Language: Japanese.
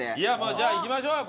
じゃあいきましょうよ